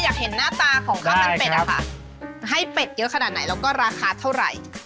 อยากเห็นหน้าตาของข้าวมันเป็ดอะค่ะให้เป็ดเยอะขนาดไหนแล้วก็ราคาเท่าไหร่